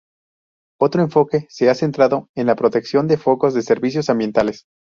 Otro enfoque se ha centrado en la protección de focos de servicios ambientales.